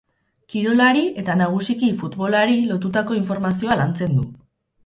Kirolari, eta nagusiki, futbolari lotutako informazioa lantzen du.